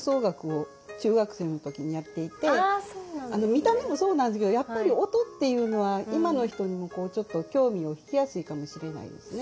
見た目もそうなんですけどやっぱり音っていうのは今の人にもちょっと興味を引きやすいかもしれないですね。